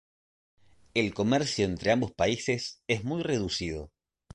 El comercio entre ambos países es muy reducido.